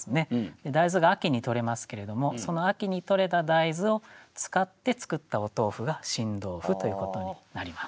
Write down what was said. で大豆が秋に採れますけれどもその秋に採れた大豆を使って作ったお豆腐が新豆腐ということになります。